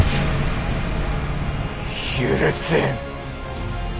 許せん！